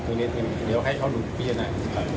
คุณเนสนึงเดี๋ยวให้ชอบดูวินัย